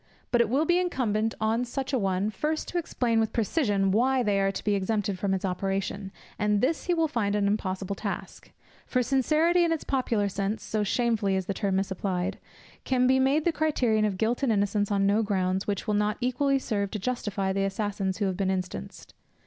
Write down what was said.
But it will be incumbent on such an one, first to explain with precision why they are to be exempted from its operation, and this he will find an impossible task; for sincerity, in its popular sense, so shamefully is the term misapplied, can be made the criterion of guilt and innocence on no grounds, which will not equally serve to justify the assassins who have been instanced.